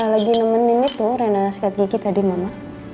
lagi nemenin itu reina sekat gigi tadi mama